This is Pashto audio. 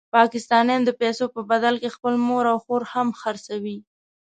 پاکستانیان د پیسو په بدل کې خپله مور او خور هم خرڅوي.